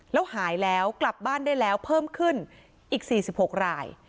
แล้วหายแล้วกลับบ้านได้แล้วเพิ่มขึ้นอีก๔๖ราย